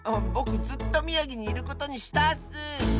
ぼくずっとみやぎにいることにしたッス！